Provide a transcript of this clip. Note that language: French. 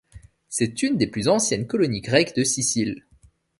C’est une des plus anciennes colonies grecques de Sicile.